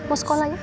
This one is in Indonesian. mau sekolah ya